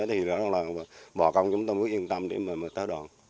thì bỏ công chúng tôi mới yên tâm để mà tái đòn